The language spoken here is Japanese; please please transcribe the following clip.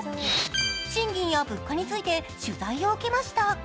賃金や物価について取材を受けました。